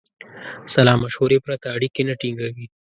سلامشورې پرته اړیکې نه ټینګوي.